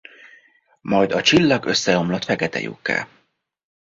Majd a csillag összeomlott fekete lyukká.